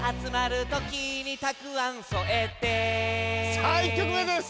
さあ１曲目です